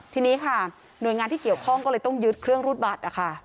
ทีนี้ค่ะหน่วยงานที่เกี่ยวข้องก็เลยต้องยึดเครื่องรูดบัตรนะคะ